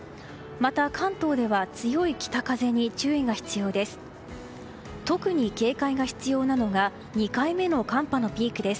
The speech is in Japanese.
また、関東では強い北風に注意が必要です。